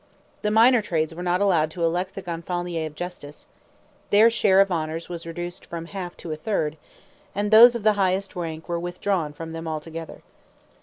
The minor trades were not allowed to elect the Gonfalonier of Justice, their share of honors was reduced from a half to a third; and those of the highest rank were withdrawn from them altogether.